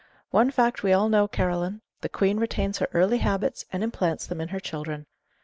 One fact we all know, Caroline: the Queen retains her early habits, and implants them in her children.